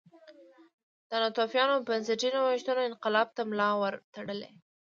د ناتوفیانو بنسټي نوښتونو انقلاب ته ملا ور وتړله